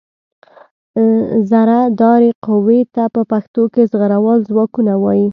زرهدارې قوې ته په پښتو کې زغروال ځواکونه وايي.